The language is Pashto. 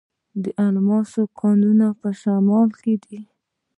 د الماس کانونه په شمال کې دي.